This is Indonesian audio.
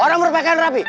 orang berpakaian rapi